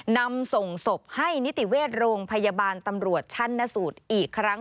นำส่งศพให้นิติเวชโรงพยาบาลตำรวจชั้นนสูตรอีกครั้ง